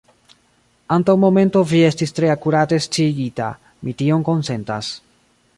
Antaŭ momento vi estis tre akurate sciigita; mi tion konsentas.